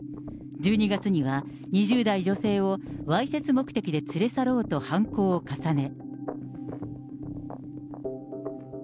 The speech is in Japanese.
１２月には、２０代女性をわいせつ目的で連れ去ろうと犯行を重ね。